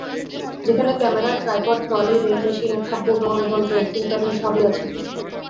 যেখানে camera, tripod, trolley, rain machine, শব্দগ্রহণ যন্ত্র, এডিটিং প্যানেল সবই আছে।